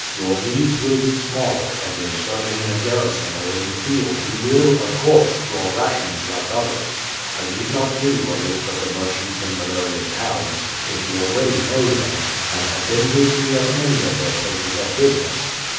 Your needs will be small, and when serving in a garrison or in the field you will, of course, draw rations like others. I need not give you a list of the merchants in the various towns, since you already know them, and have been with me at many of their places of business.